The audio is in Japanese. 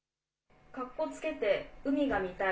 かっこつけて海が見たい。